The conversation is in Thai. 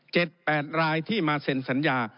แปดรายที่มาเซ็นสัญญา